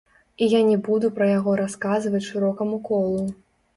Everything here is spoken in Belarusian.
І я не буду пра яго расказваць шырокаму колу.